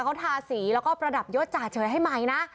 เขาทาสีแล้วก็ประดับยศจ่าเฉยให้ใหม่นะ